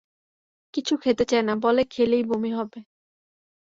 কিছু খেতে চায় না, বলে খেলেই বমি হবে।